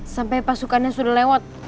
sampai pasukannya sudah lewat